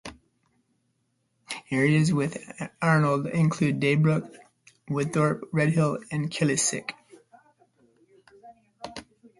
Areas within Arnold include Daybrook, Woodthorpe, Redhill and Killisick.